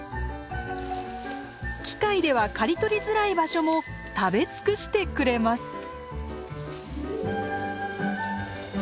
機械では刈り取りづらい場所も食べ尽くしてくれます。